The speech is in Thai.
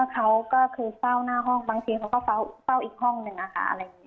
เขาก็คือเฝ้าหน้าห้องบางทีเขาก็เฝ้าอีกห้องหนึ่งนะคะ